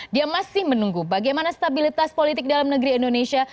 dia masih menunggu bagaimana stabilitas politik dalam negeri indonesia